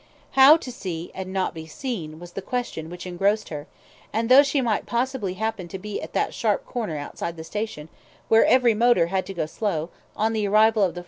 How to see and not be seen was the question which engrossed her, and though she might possibly happen to be at that sharp corner outside the station where every motor had to go slow, on the arrival of the 4.